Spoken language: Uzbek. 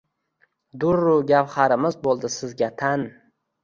Durru gavharimiz bo’ldi sizga tan